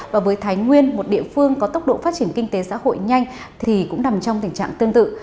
và với thái nguyên một địa phương có tốc độ phát triển kinh tế xã hội nhanh thì cũng nằm trong tình trạng tương tự